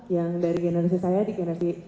yang dari generasi saya di generasi